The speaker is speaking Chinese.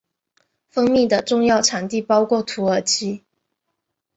蜂蜜的重要产地包括土耳其。